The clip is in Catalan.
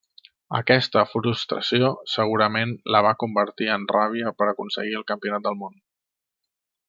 Aquesta frustració segurament la va convertir en ràbia per aconseguir el campionat del món.